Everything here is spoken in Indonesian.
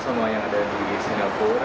semua yang ada di singapura